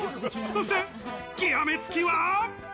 そして極め付きは。